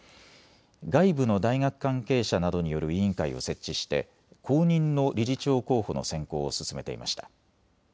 外部の大学関係者などによる委員会を設置して後任の理事長候補の選考を進めていました。